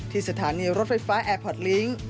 สถานีรถไฟฟ้าแอร์พอร์ตลิงค์